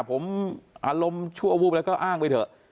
ผมอารมณ์ชั่ววูบแล้วก็อ้างไปเถอะ